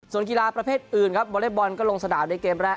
ส่วนกีฬาประเภทอื่นครับวอเล็กบอลก็ลงสนามในเกมแรก